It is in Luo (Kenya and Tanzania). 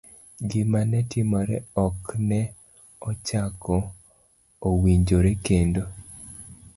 Gima ne timore ok ne ochako owinjore kendo;